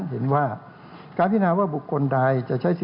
เห็นว่าการพินาวว่าบุคคลใด